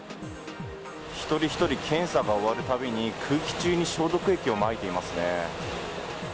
一人一人検査が終わるたびに、空気中に消毒液をまいていますね。